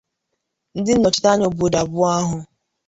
ndị nnọchite anya obodo abụọ ahụ